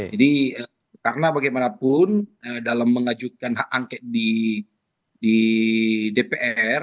jadi karena bagaimanapun dalam mengajukan hak angket di dpr